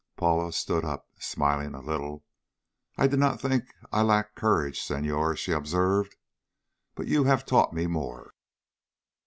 Paula stood up, smiling a little. "I did not think I lacked courage, Senhor," she observed, "but you have taught me more."